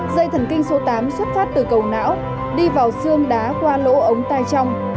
dây thần kinh số tám xuất phát từ cầu não đi vào xương đá qua lỗ ống tai trong